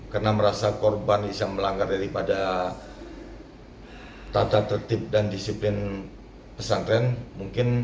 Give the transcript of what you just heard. karena merasa korban bisa melanggar daripada tata tertib dan disiplin pesantren mungkin